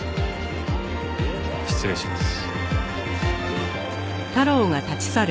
失礼します。